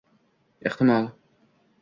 Ehtimol...